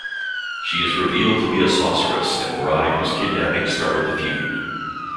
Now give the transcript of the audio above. She is revealed to be a sorceress and bride whose kidnapping started the feud.